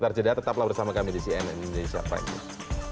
ntar jeda tetaplah bersama kami di cnn indonesia prime news